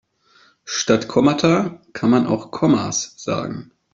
Statt Kommata kann man auch Kommas sagen.